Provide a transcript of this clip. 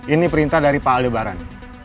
ini perintah dari pak ali lebaran